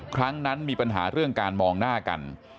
ครั้งนั้นมีปัญหาเรื่องการมองหน้ากัน